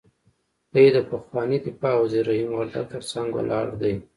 دی د پخواني دفاع وزیر رحیم وردګ تر څنګ ولاړ دی.